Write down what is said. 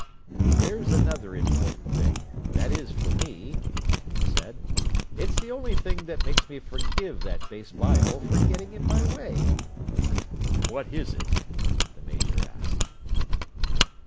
"There's another important thing—that is, for me," he said. "It's the only thing that makes me forgive that bass viol for getting in my way." "What is it?" the Major asked.